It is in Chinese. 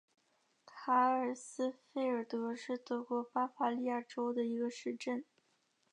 卡尔斯费尔德是德国巴伐利亚州的一个市镇。